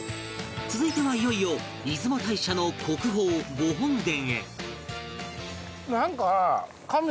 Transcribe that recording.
続いてはいよいよ出雲大社の国宝御本殿へ